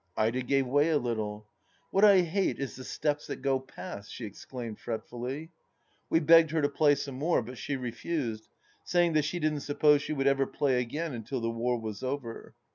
... Ida gave way a little. ..." What I hate is the steps that go past I " she exclaimed fretfully. We begged her to play some more, but she refused, saying that she didn't suppose she would ever play again until the war was over.